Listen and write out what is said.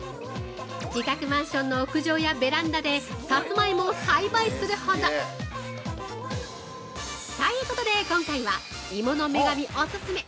自宅マンションの屋上やベランダでさつまいもを栽培するほど。ということで今回は「芋の女神」オススメ！